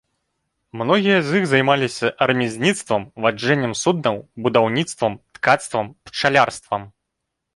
Многія з іх займаліся рамізніцтвам, ваджэннем суднаў, будаўніцтвам, ткацтвам, пчалярствам.